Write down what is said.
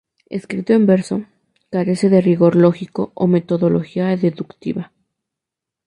Escrito en verso, carece de rigor lógico o metodología deductiva.